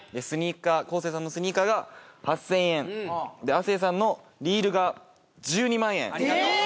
昴生さんのスニーカーが８０００円亜生さんのリールが１２万円・え！？